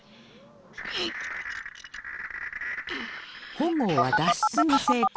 本郷は脱出に成功。